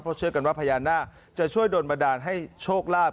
เพราะเชื่อกันว่าพญานาคจะช่วยโดนบันดาลให้โชคลาภ